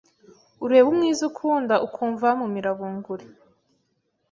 ureba umwiza ukunda ukumva wamumira bunguri!